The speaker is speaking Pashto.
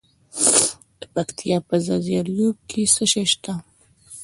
د پکتیا په ځاځي اریوب کې څه شی شته؟